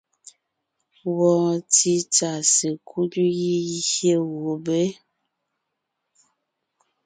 Wɔɔn títsà sekúd gígié gubé.